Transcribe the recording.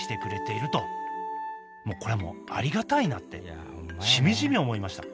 これはもうありがたいなってしみじみ思いました。